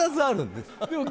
でも。